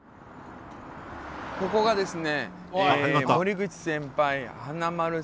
ここがですね